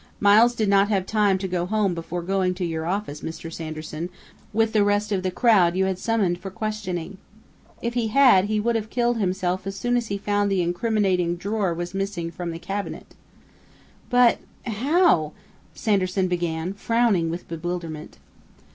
Miles did not have time to go home before going to your office, Mr. Sanderson, with the rest of the crowd you had summoned for questioning. If he had, he would have killed himself as soon as he found the incriminating drawer was missing from the cabinet." "But how ?" Sanderson began, frowning with bewilderment.